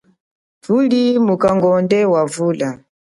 Thuli mukangonde wa vula.